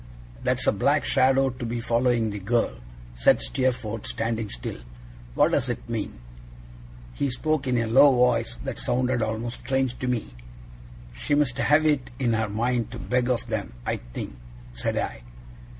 'That is a black shadow to be following the girl,' said Steerforth, standing still; 'what does it mean?' He spoke in a low voice that sounded almost strange to Me. 'She must have it in her mind to beg of them, I think,' said I.